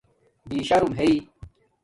بِشرم ہݶ